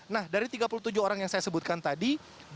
nah dari tiga puluh tujuh orang yang saya sebutkan tadi